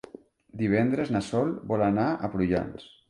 Divendres na Sol vol anar a Prullans.